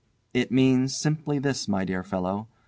"It means simply this, my dear fellow.